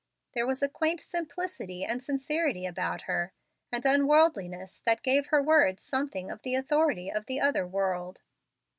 There was a quaint simplicity and sincerity about her, an unworldliness, that gave her words something of the authority of the other world.